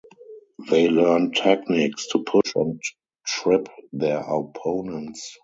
They learn techniques to push and trip their opponents.